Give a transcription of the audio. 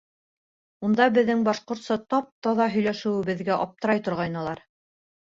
Унда беҙҙең башҡортса тап-таҙа һөйләшеүебеҙгә аптырай торғайнылар.